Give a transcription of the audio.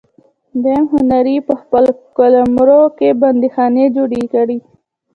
دویم هانري په خپل قلمرو کې بندیخانې جوړې کړې.